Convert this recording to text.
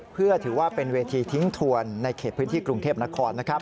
เพื่อถือว่าเป็นเวทีทิ้งทวนในเขตพื้นที่กรุงเทพนคร